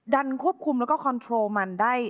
ดันควบคุมและคอมทรอลมันได้